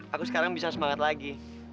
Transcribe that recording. aku sekarang bisa semangat lagi